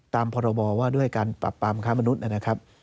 พรบว่าด้วยการปรับปรามค้ามนุษย์นะครับ